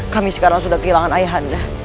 kami sekarang sudah kehilangan ayah anda